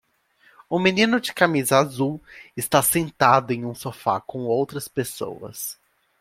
Um menino de camisa azul está sentado em um sofá com outras pessoas.